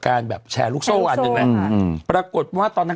อันนี้มันจะโครกดัง